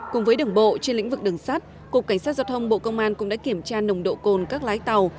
cùng với đường bộ trên lĩnh vực đường sát cục cảnh sát giao thông bộ công an cũng đã kiểm tra nồng độ cồn các lái tàu